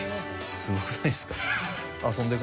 すごくないですか？